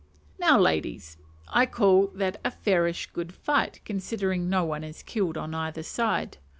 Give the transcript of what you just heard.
Now, ladies, I call that a fairish good fight, considering no one is killed on either side.